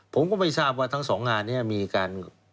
ผมก็ไม่ทราบว่าทั้งสองงานนี้มีการ